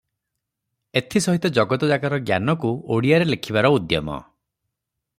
ଏଥି ସହିତ ଜଗତଯାକର ଜ୍ଞାନକୁ ଓଡ଼ିଆରେ ଲେଖିବାର ଉଦ୍ୟମ ।